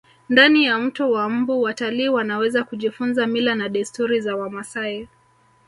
ndani ya mto wa mbu watalii wanaweza kujifunza mila na desturi za wamasai